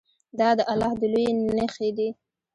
دا د الله د لویۍ نښې دي.